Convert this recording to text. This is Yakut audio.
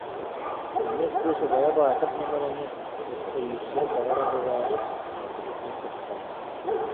Кийиит кыыс убайа баатыр Нэмирэни кытта иирсиэн баҕарар эрээри, аҕатыттан куттанар